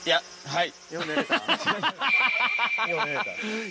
はい。